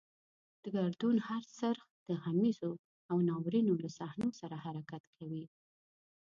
د ګردون هر څرخ د غمیزو او ناورینونو له صحنو سره حرکت کوي.